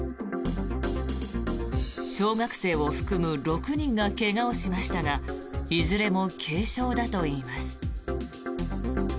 小学生を含む６人が怪我をしましたがいずれも軽傷だといいます。